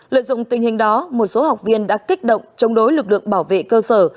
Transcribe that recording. lợi dụng tình hình đó một số học viên đã kích động chống đối lực lượng bảo vệ cơ sở